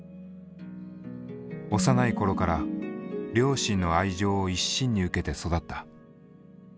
幼い頃から両親の愛情を一身に受けて育った。